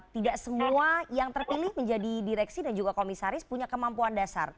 tidak semua yang terpilih menjadi direksi dan juga komisaris punya kemampuan dasar